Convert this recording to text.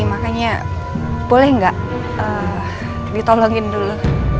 makanya boleh nggak ditolongin dulu